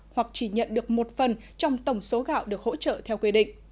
hoặc chỉ nhận được một phần trong tổng số gạo được hỗ trợ theo quy định